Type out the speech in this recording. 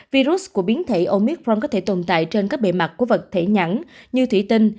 virus của biến thể omicron có thể tồn tại trên các bề mặt của vật thể nhãn như thủy tinh